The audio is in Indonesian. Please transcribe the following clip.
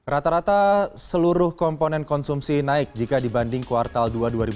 rata rata seluruh komponen konsumsi naik jika dibanding kuartal dua dua ribu dua puluh